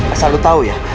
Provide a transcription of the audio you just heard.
asal lu tahu ya